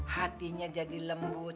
hatinya jadi lembut